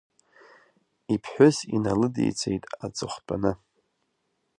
Иԥхәыс иналыдиҵеит аҵыхәтәаны.